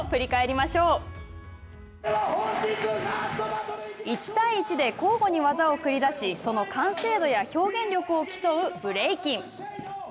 ま１対１で交互に技を繰り出しその完成度や表現力を競うブレイキン。